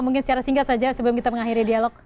mungkin secara singkat saja sebelum kita mengakhiri dialog